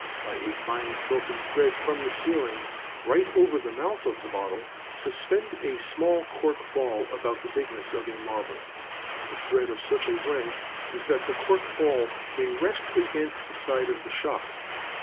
By a fine silken thread from the ceiling, right over the mouth of the bottle, suspend a small cork ball, about the bigness of a marble; the thread of such a length as that the cork ball may rest against the side of the shot.